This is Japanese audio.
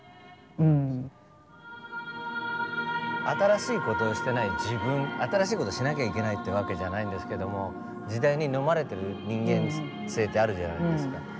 新しい事をしてない自分新しい事しなきゃいけないってわけじゃないんですけども時代にのまれてる人間性ってあるじゃないですか。